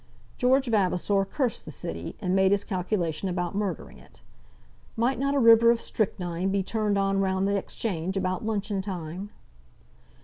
George Vavasor cursed the City, and made his calculation about murdering it. Might not a river of strychnine be turned on round the Exchange about luncheon time?